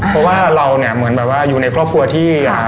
เพราะว่าเราเนี่ยเหมือนแบบว่าอยู่ในครอบครัวที่